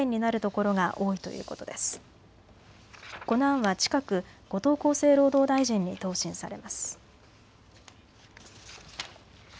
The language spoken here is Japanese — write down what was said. この案は近く後藤厚生労働大臣に答申されます。